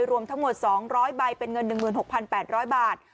รวมทั้งหมด๒๐๐ใบเป็นเงิน๑๖๘๐๐บาท